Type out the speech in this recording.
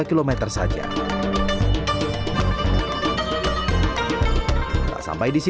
tak sampai di situ jarum penunjuk kompas juga tidak berfungsi di sini